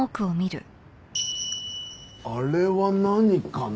あれは何かな？